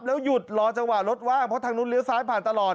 แล้วหยุดรอจังหวะรถว่างเพราะทางนู้นเลี้ยซ้ายผ่านตลอด